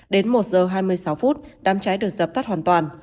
đến một giờ hai mươi sáu phút đám cháy được dập tắt hoàn toàn